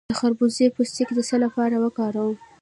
د خربوزې پوستکی د څه لپاره وکاروم؟